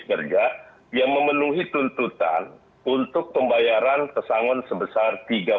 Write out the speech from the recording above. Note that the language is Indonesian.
kerja yang memenuhi tuntutan untuk pembayaran pesangon sebesar